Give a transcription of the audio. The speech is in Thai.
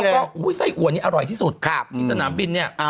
แล้วก็อุ้ยไส้อัวนี้อร่อยที่สุดครับที่สนามบินเนี้ยอ่า